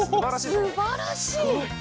すばらしい。